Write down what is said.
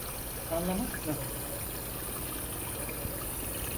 Anlamak mı?